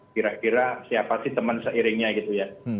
kira kira siapa sih teman seiringnya gitu ya